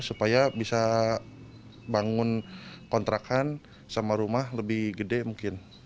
supaya bisa bangun kontrakan sama rumah lebih gede mungkin